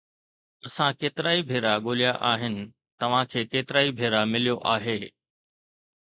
اسان ڪيترائي ڀيرا ڳوليا آهن، توهان کي ڪيترائي ڀيرا مليو آهي